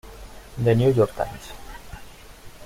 The New York Times.